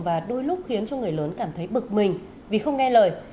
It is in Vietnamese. và đôi lúc khiến cho người lớn cảm thấy bực mình vì không nghe lời